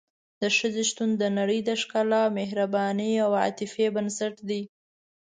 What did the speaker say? د ښځې شتون د نړۍ د ښکلا، مهربانۍ او عاطفې بنسټ دی.